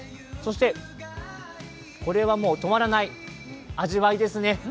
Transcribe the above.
そしてこれはもう止まらない味わいですね。